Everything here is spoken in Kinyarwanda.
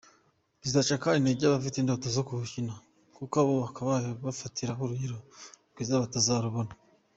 Bizaca kandi intege abafite indoto zo kuwukina kuko abo bakabaye bafatiraho urugero rwiza batazarubona.